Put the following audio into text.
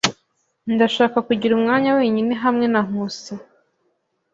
Ndashaka kugira umwanya wenyine hamwe na Nkusi.